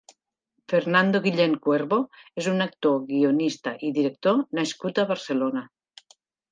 Fernando Guillén Cuervo és un actor, guionista i director nascut a Barcelona.